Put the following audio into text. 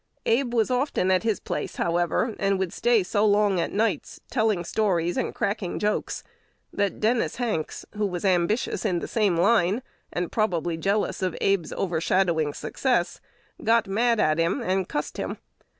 Abe was often at his place, however, and would stay so long at nights, "telling stories" and "cracking jokes," that Dennis Hanks, who was ambitious in the same line, and probably jealous of Abe's overshadowing success, "got mad at him," and "cussed him."